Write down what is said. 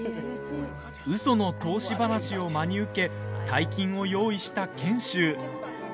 うその投資話を真に受け大金を用意した賢秀。